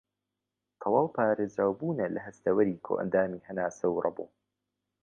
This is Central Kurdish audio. تەواو پارێزراوبوونە لە هەستەوەری کۆئەندامی هەناسە و رەبۆ